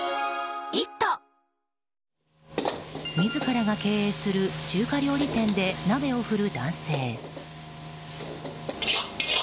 自らが経営する中華料理店で鍋を振る男性。